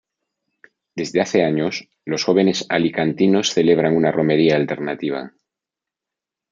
Desde hace años, los jóvenes alicantinos celebran una romería alternativa.